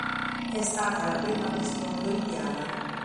È stata la prima Miss Mondo indiana.